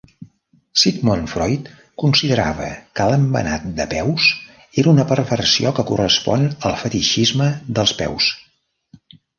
Sigmund Freud considerava que l'embenat de peus era una "perversió que correspon al fetitxisme dels peus".